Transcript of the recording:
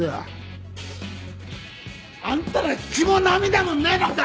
あんたら血も涙もねえのか！